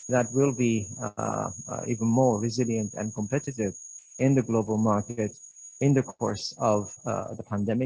yang akan lebih resilient dan kompetitif di pasar global di sepanjang pandemi